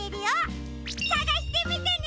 さがしてみてね！